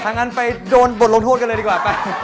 งั้นไปโดนบทลงโทษกันเลยดีกว่าไป